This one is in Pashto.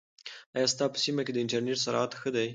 ایا ستا په سیمه کې د انټرنیټ سرعت ښه دی؟